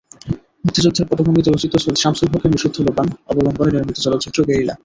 মুক্তিযুদ্ধের পটভূমিতে রচিত সৈয়দ শামসুল হকের নিষিদ্ধ লোবান অবলম্বনে নির্মিত চলচ্চিত্র গেরিলা।